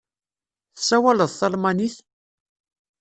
Tessawaleḍ talmanit?